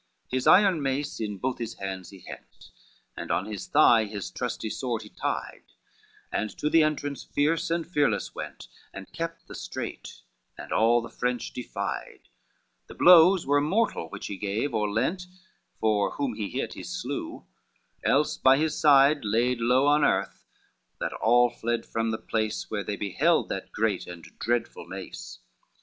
XLII His iron mace in both his hands he hent, And on his thigh his trusty sword he tied, And to the entrance fierce and fearless went, And kept the strait, and all the French defied: The blows were mortal which he gave or lent, For whom he hit he slew, else by his side Laid low on earth, that all fled from the place Where they beheld that great and dreadful mace.